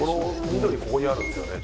緑ここにあるんですよね